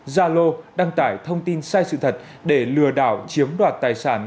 zalo đăng tải thông tin sai sự thật để lừa đảo chiếm đoạt tài sản